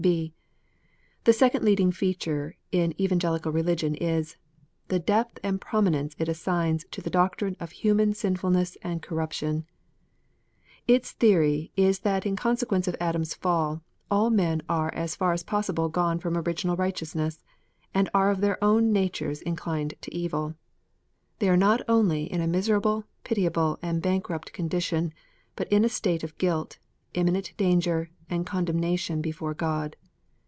(b) The second leading feature in Evangelical Religion is the depth and prominence it assigns to the doctrine of human sinful ness and corruption. Its theory is that in consequence of Adam s fall, all men are as far as possible gone from original righteousness, and are of their own natures inclined to evil. They are not only in a miserable, pitiable, and bankrupt condition, but in a state of uilt, imminent danger, and condemnation before God.